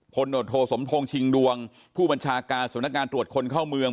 โนโทสมพงศ์ชิงดวงผู้บัญชาการสำนักงานตรวจคนเข้าเมือง